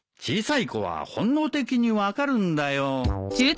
小さい子は本能的に分かるんだよ。